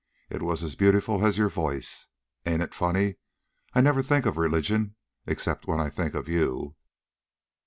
It was as beautiful as your voice. Ain't it funny? I never think of religion except when I think of you."